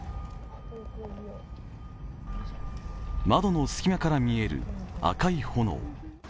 窓の隙間から見える赤い炎。